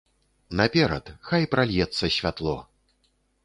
Наперад, хай пральецца святло!